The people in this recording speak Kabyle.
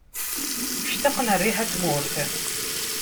Ctaqen rriḥa n tmurt.